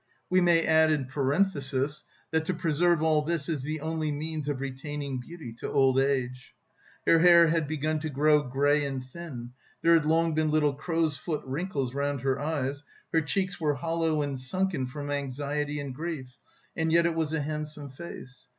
We may add in parenthesis that to preserve all this is the only means of retaining beauty to old age. Her hair had begun to grow grey and thin, there had long been little crow's foot wrinkles round her eyes, her cheeks were hollow and sunken from anxiety and grief, and yet it was a handsome face.